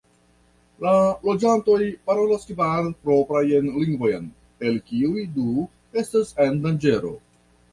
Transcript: La loĝantoj parolas kvar proprajn lingvojn, el kiuj du estas en danĝero.